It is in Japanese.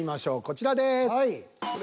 こちらです。